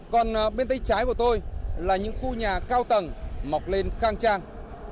còn bên tay trái của tôi là những khu nhà cao tầng mọc lên khang trang